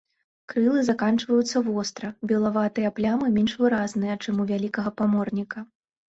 Крылы заканчваюцца востра, белаватыя плямы менш выразныя, чым у вялікага паморніка.